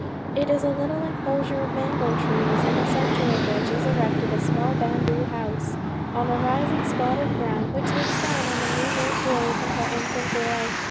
It is a little enclosure of mango trees, in the centre of which is erected a small bamboo house, on a rising spot of ground, which looks down on the new made grave of our infant boy.